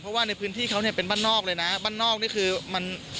เพราะว่าในพื้นที่เขาเนี่ยเป็นบ้านนอกเลยนะบ้านนอกนี่คือมัน